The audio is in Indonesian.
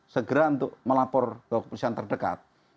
segera melapor ke keputusan terdekat